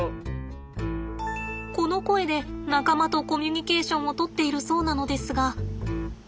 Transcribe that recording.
この声で仲間とコミュニケーションをとっているそうなのですが。